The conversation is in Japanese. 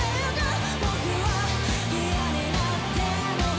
「僕は嫌になっても」